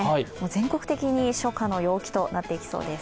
全国的に初夏の陽気となっていきそうです。